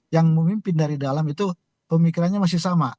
yang memimpin dari dalam itu pemikirannya masih sama